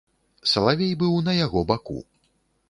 Салавей быў на яго баку.